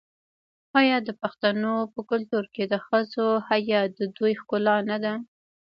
آیا د پښتنو په کلتور کې د ښځو حیا د دوی ښکلا نه ده؟